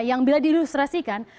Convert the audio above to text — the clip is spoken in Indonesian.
yang bila diilustrasikan